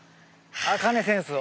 あかねセンスを。